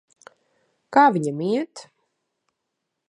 Kā viņam iet?